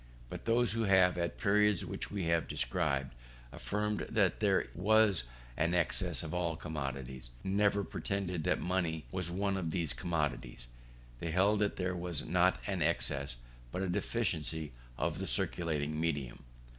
But those who have, at periods such as we have described, affirmed that there was an excess of all commodities, never pretended that money was one of these commodities; they held that there was not an excess, but a deficiency of the circulating medium.